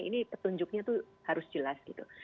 ini petunjuknya itu harus jelas gitu